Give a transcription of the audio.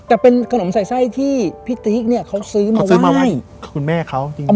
แต่เป็นขนมใส่ไส้ที่พี่ติ๊กเนี่ยเขาซื้อมาซื้อมาให้คุณแม่เขาจริง